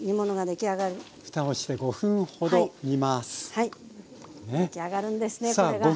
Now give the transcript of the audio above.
出来上がるんですねこれが。